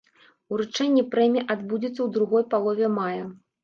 Уручэнне прэміі адбудзецца ў другой палове мая.